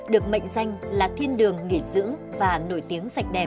được mệnh danh là thiên đường nghỉ dưỡng và nổi tiếng sạch đẹp